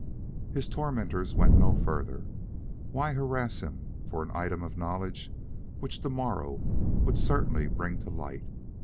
His tormentors went no further. Why harass him for an item of knowledge which the morrow would certainly bring to light.